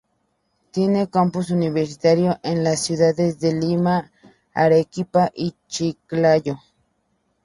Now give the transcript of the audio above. Tiene campus universitarios en las ciudades de Lima, Arequipa y Chiclayo.